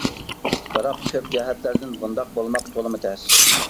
بىراق كۆپ جەھەتلەردىن بۇنداق بولماق تولىمۇ تەس.